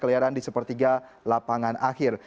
keliaran di sepertiga lapangan akhir